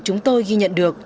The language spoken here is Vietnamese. chúng tôi ghi nhận được